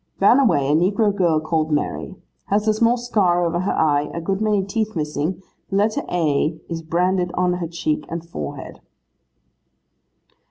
'Ran away, a negro girl called Mary. Has a small scar over her eye, a good many teeth missing, the letter A is branded on her cheek and forehead.